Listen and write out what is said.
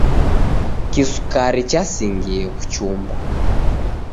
Kisukari chasingie kuchumba.